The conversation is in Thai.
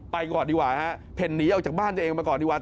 ก่อนดีกว่าฮะเพ่นหนีออกจากบ้านตัวเองมาก่อนที่วัด